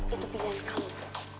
itu pilihan kamu